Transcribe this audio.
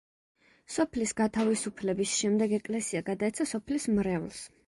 სოფლის გათავისუფლების შემდეგ ეკლესია გადაეცა სოფლის მრევლს.